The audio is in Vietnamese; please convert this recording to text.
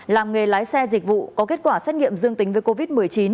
làm nghề lái xe dịch vụ có kết quả xét nghiệm dương tính với covid một mươi chín